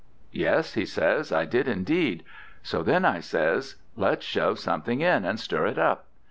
'Yes,' he says, 'I did indeed.' So then I says, 'Let's shove something in and stir it up.'